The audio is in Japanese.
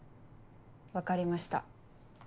分かりました。